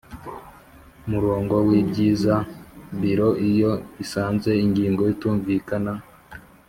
murongo w ibyigwa Biro iyo isanze ingingo itumvikana